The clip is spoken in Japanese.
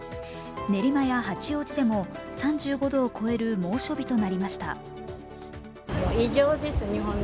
練馬や八王子でも３５度を超える猛暑日となりました。